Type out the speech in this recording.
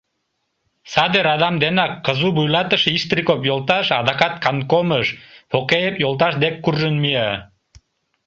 Саде радам денак КЗУ вуйлатыше Иштриков йолташ адакат канткомыш, Фокеев йолташ дек, куржын мия.